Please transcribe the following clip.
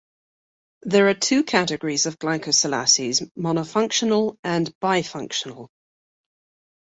There are two categories of glycosylases: monofunctional and bifunctional.